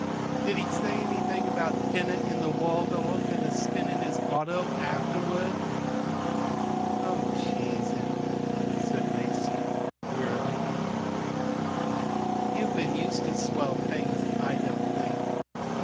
"Did he say anything about dinner in the Waldorf and a spin in his auto afterward?" "Oh, cheese it!" said Masie, wearily. "You've been used to swell things, I don't think.